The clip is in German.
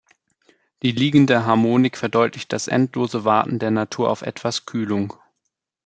Die liegende Harmonik verdeutlicht das endlose Warten der Natur auf etwas Kühlung.